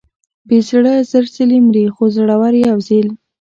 بې زړه زر ځلې مري، خو زړور یو ځل.